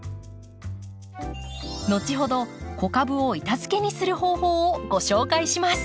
後ほど子株を板づけにする方法をご紹介します。